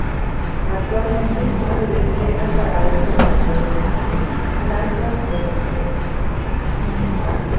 Actualmente sirve de riego para otro tipo de cultivos, como plantas forrajeras.